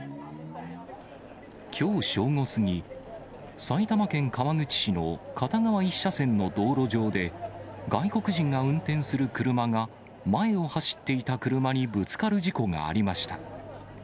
きょう正午過ぎ、埼玉県川口市の片側１車線の道路上で、外国人が運転する車が、前を走っていた車にぶつかる事故がありました。